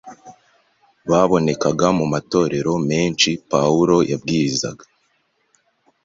babonekaga mu matorero menshi Pawulo yabwirizaga.